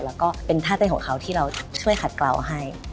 แล้วก็เป็นท่าเต้นของเขาที่เราช่วยขัดกล่าวให้